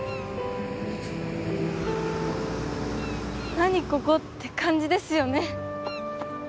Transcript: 何ここって感じですよね